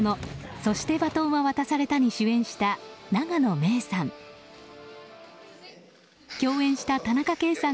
「そして、バトンは渡された」に主演した永野芽郁さん。